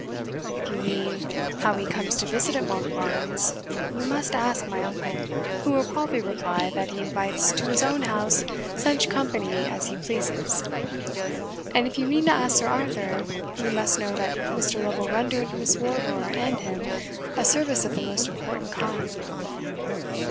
"If you mean, how he comes to visit at Monkbarns, you must ask my uncle, who will probably reply, that he invites to his own house such company as he pleases; and if you mean to ask Sir Arthur, you must know that Mr. Lovel rendered Miss Wardour and him a service of the most important kind."